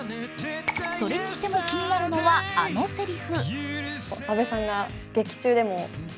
それにしても気になるのはあのせりふ。